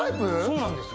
そうなんです